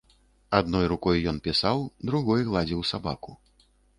Адной рукой ён пісаў, другой гладзіў сабаку.